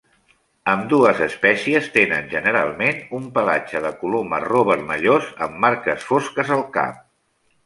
Ambdues espècies tenen generalment un pelatge de color marró vermellós, amb marques fosques al cap.